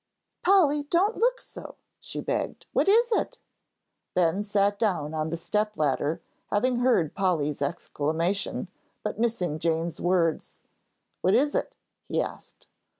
"Polly, don't look so," she begged. "What is it?" Ben sat down on the step ladder, having heard Polly's exclamation, but missing Jane's words. "What is it?" he asked.